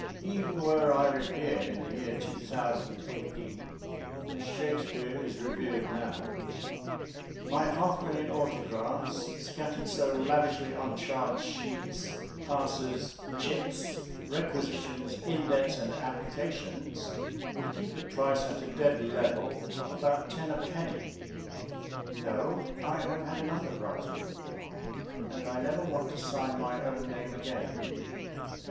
Even were I revered in the year 2000 A.D. as Shakespeare is revered now, my half million autographs, scattered so lavishly on charge sheets, passes, chits, requisitions, indents and applications would keep the price at a dead level of about ten a penny. No, I have had enough of writing in the Army and I never want to sign my own name again.